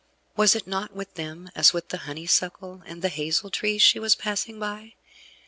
Was it not with them as with the Honeysuckle and the Hazel tree she was passing by!